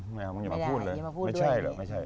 ไม่เอาอย่ามาพูดเลยไม่ใช่